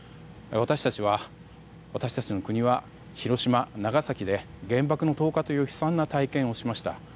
私たちは、私たちの国は広島、長崎で原爆の投下という悲惨な体験をしました。